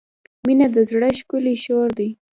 • مینه د زړۀ ښکلی شور دی.